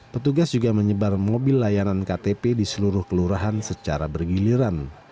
petugas juga menyebar mobil layanan ktp di seluruh kelurahan secara bergiliran